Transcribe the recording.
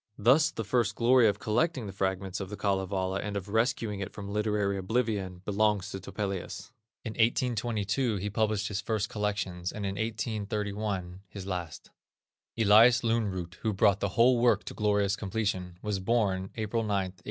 Thus the first glory of collecting the fragments of the Kalevala and of rescuing it from literary oblivion, belongs to Topelius. In 1822 he published his first collections, and in 1831, his last. Elias Lönnrot, who brought the whole work to a glorious completion, was born April 9, 1802.